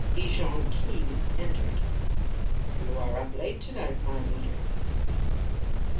Ejon Khee entered. "You are up late tonight, my leader," he said.